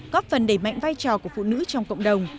góp phần đẩy mạnh vai trò của phụ nữ trong cộng đồng